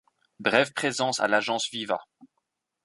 Brève présence à l’agence Viva.